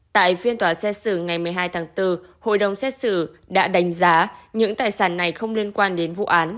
tại phiên tòa xét xử ngày một mươi hai tháng bốn hội đồng xét xử đã đánh giá những tài sản này không liên quan đến vụ án